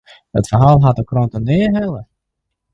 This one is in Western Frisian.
It ferhaal hat de krante nea helle.